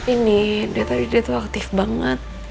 ini dia tadi tuh aktif banget